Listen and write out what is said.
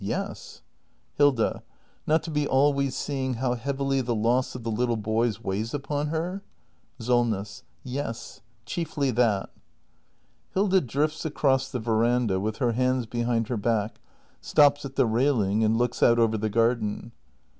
Yes. Hilda. Not to be always seeing how heavily the loss of the little boys weighs upon her ? Solness. Yes. Chiefly that. [Hilda drifts across the veranda with her hands be hind her bach, stops at the railing and looks out over the garden.